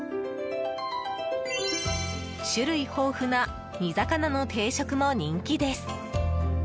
種類豊富な煮魚の定食も人気です。